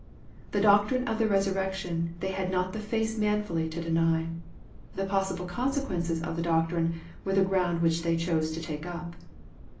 The doctrine of the resurrection they had not the face manfully to deny. The possible consequences of the doctrine were the ground which they chose to take up.